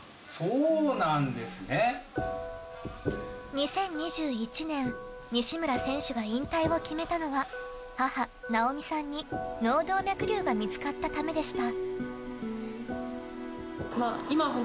２０２１年西村選手が引退を決めたのは母・直美さんに脳動脈瘤が見つかったためでした。